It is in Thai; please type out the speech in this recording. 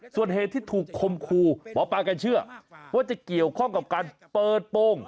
ส่วนเหตุที่ถูกคมครูหมอปลากันเชื่อว่าจะเกี่ยวข้องกับการเปิดโปรง